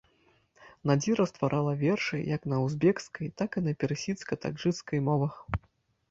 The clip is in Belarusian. Надзіра стварала вершы як на узбекскай, так і на персідска-таджыкскай мовах.